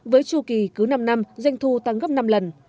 với chu kỳ cứ năm năm doanh thu tăng gấp năm lần